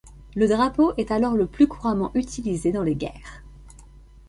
Le drapeau est alors le plus couramment utilisé dans les guerres.